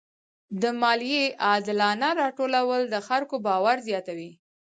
د مالیې عادلانه راټولول د خلکو باور زیاتوي.